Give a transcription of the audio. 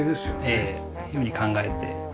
ええ。というふうに考えて。